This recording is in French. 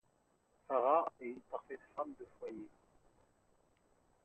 Sara est une parfaite femme de foyer.